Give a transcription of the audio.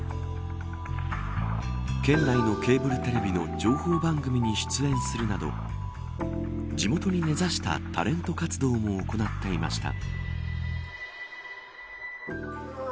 県内のケーブルテレビの情報番組に出演するなど地元に根差したタレント活動も行っていました。